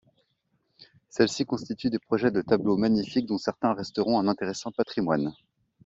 Celles-ci constituent des projets de tableaux magnifiques dont certains resteront un intéressant patrimoine.